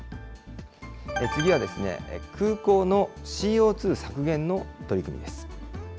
次は空港のＣＯ２削減の取り組み